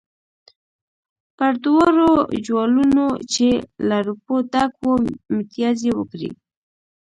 پر دواړو جوالونو چې له روپو ډک وو متیازې وکړې.